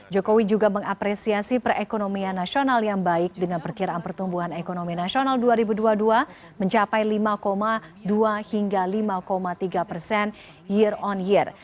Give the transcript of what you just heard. jokowi juga mengapresiasi perekonomian nasional yang baik dengan perkiraan pertumbuhan ekonomi nasional dua ribu dua puluh dua mencapai lima dua hingga lima tiga persen year on year